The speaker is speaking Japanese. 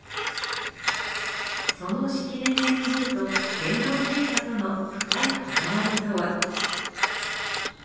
その式年遷宮と天皇陛下との深い関わりとは？